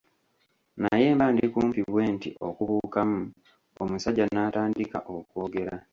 Naye mba ndi kumpi bwe nti okubuukamu omusajja n'atandika okwogera.